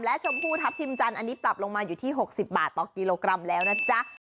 และชมพูทัพทิมจันทร์อันนี้ปรับลงมาอยู่ที่๖๐บาทต่อกิโลกรัมแล้วนะจ๊ะ